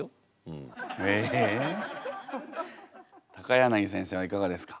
柳先生はいかがですか？